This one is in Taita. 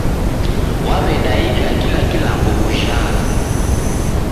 Waw'edaika kila kilambo ujhagha